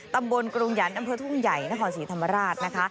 ตำบลกรุงหยันต์อำเภอทุ่งใหญ่หน้าข่อนศรีธรรมราช